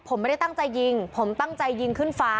ผมไม่ได้ตั้งใจยิงผมตั้งใจยิงขึ้นฟ้า